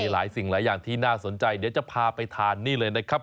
หลายสิ่งหลายอย่างที่น่าสนใจเดี๋ยวจะพาไปทานนี่เลยนะครับ